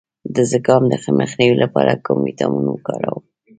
د زکام د مخنیوي لپاره کوم ویټامین وکاروم؟